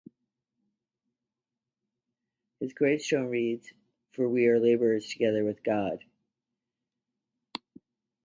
His gravestone reads 'For we are labourers together with God'.